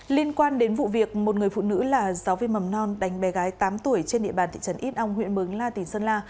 liên quan đến vụ việc một người phụ nữ là giáo viên mầm non đánh bé gái tám tuổi trên địa bàn thị trấn ít âu huyện mường la tỉnh sơn la